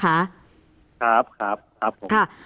ครับครับผม